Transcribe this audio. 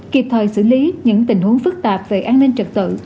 kịp thời xử lý những tình huống phức tạp về an ninh trật tự